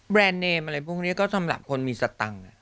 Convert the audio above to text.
เนมอะไรพวกนี้ก็สำหรับคนมีสตังค์